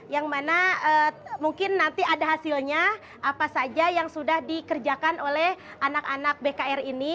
yang mana mungkin nanti ada hasilnya apa saja yang sudah dikerjakan oleh anak anak bkr ini